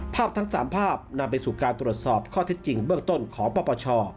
ทั้ง๓ภาพนำไปสู่การตรวจสอบข้อเท็จจริงเบื้องต้นของปปช